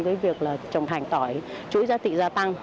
với việc là trồng hành tỏi chuỗi giá trị gia tăng